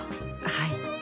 はい。